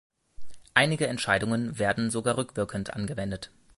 Einige Entscheidungen werden sogar rückwirkend angewendet.